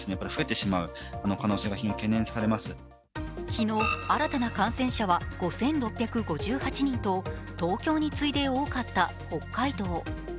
昨日、新たな感染者は５６５８人と東京に次いで多かった北海道。